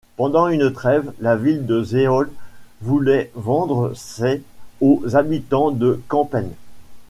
Pendant une trêve, la ville de Zwolle voulait vendre ses aux habitants de Kampen.